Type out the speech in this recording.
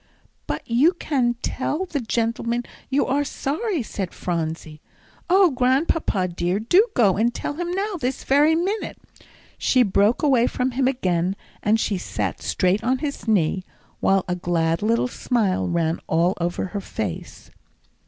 "But you can tell the gentleman you are sorry," said Phronsie. "Oh, Grandpapa dear, do go and tell him now, this very minute." She broke away from him again, and sat straight on his knee, while a glad little smile ran all over her face.